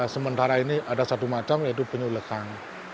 sementara ini ada satu macam yaitu penyu lekang